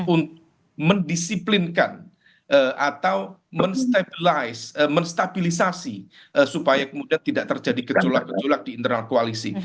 untuk mendisiplinkan atau menstabilisasi supaya kemudian tidak terjadi kejulah kejulah di internal koalisi